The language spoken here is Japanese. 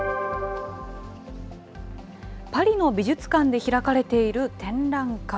パリの美術館で開かれている展覧会。